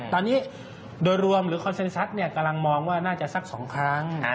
ตอนนี้โดยรวมหรือคอนเซ็นซัดกำลังมองว่าน่าจะสัก๒ครั้ง